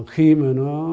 khi mà nó